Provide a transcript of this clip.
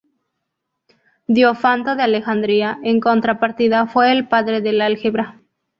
Diofanto de Alejandría, en contrapartida, fue el "padre del álgebra".